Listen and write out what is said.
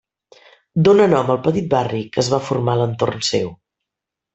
Dóna nom al petit barri que es va formar a l'entorn seu.